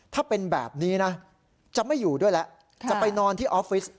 ถ้าเป็นแบบนี้นะจะไม่อยู่ด้วยแล้วจะไปนอนที่ออฟฟิศ